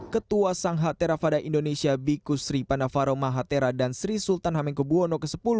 ketua sangha theravada indonesia bikusri pandavaro mahathira dan sri sultan hamengkubwono x